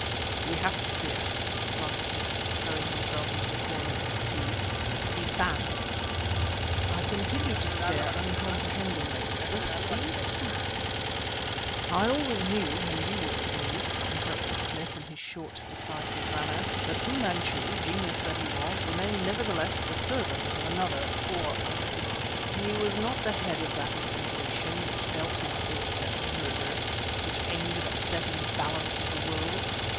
"We have to fear," replied Smith, throwing himself into a corner of the settee, "the Si Fan!" I continued to stare, uncomprehendingly. "The Si Fan " "I always knew and you always knew," interrupted Smith in his short, decisive manner, "that Fu Manchu, genius that he was, remained nevertheless the servant of another or others. He was not the head of that organization which dealt in wholesale murder, which aimed at upsetting the balance of the world.